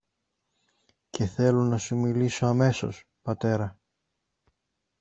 Και θέλω να σου μιλήσω αμέσως, πατέρα.